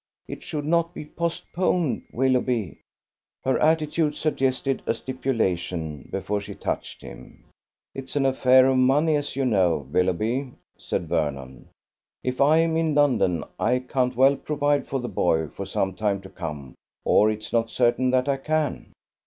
"It should not be postponed, Willoughby." Her attitude suggested a stipulation before she touched him. "It's an affair of money, as you know, Willoughby," said Vernon. "If I'm in London, I can't well provide for the boy for some time to come, or it's not certain that I can."